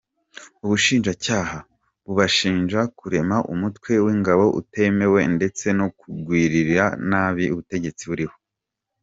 Ubushinjacyaha bubashinja kurema umutwe w’ingabo utemewe ndetse no kugirira nabi ubutegetsi buriho.